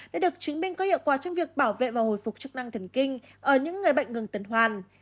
đã được chứng minh có hiệu quả trong việc bảo vệ và hồi phục chức năng thần kinh ở những người bệnh ngừng hoàn